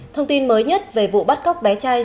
thông tin mới nhất về vụ bắt cóc bé trai